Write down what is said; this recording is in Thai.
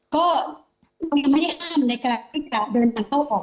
ก็ไม่ได้ห้ามในการที่จะเดินเข้าออก